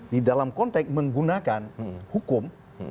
di dalam konteks menggunakan hukum